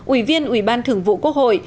ủy viên ủy ban thưởng vụ quốc hội